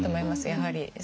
やはり。